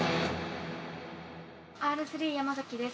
Ｒ３山崎です。